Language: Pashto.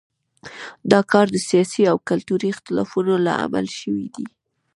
دا کار د سیاسي او کلتوري اختلافونو له امله شوی دی.